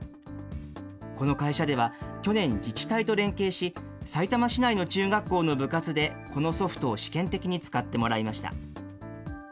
この会社では去年、自治体と連携し、さいたま市内の中学校の部活でこのソフトを試験的に使ってもらいました。